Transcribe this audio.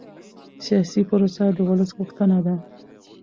سیاسي پروسه د ولس غوښتنه ده